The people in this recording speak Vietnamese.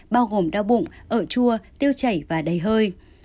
bao gồm đau bụng ở chua tiêu chảy và đầy hơi